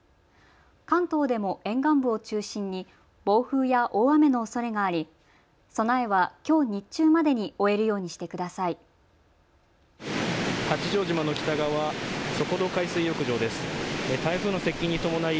関東でも沿岸部を中心に暴風や大雨のおそれがあり、備えはきょう日中までに終えるようにしてください。